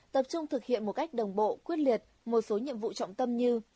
họ thực hiện một cách đồng bộ quyết liệt một số nhiệm vụ trọng tâm như